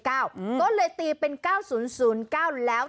ก็เลยตีเป็น๙๐๐๙แล้ว